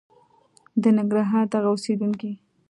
د ننګرهار دغه اوسېدونکي